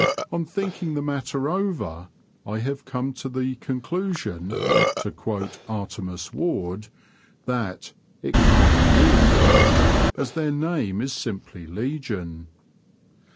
On thinking the matter over, I have come co the conclusion (to quote Artemus Ward) that '* it can't be did," as their name is simply legion.